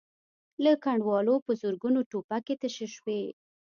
له کنډوالو په زرګونو ټوپکې تشې شوې.